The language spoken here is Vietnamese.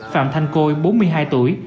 phạm thanh côi bốn mươi hai tuổi